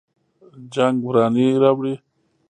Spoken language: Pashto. جنګ ورانی راوړي